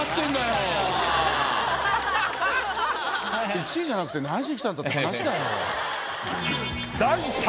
１位じゃなくて何しに来たんだって話だよ。